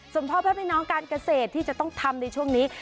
สมพบให้น้องการเกษตรที่จะต้องทำในช่วงนี้